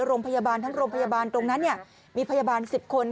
โรงพยาบาลทั้งโรงพยาบาลตรงนั้นมีพยาบาล๑๐คน